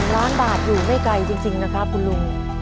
ล้านบาทอยู่ไม่ไกลจริงนะครับคุณลุง